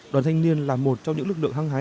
đoàn thanh niên là một trong những lực lượng hăng há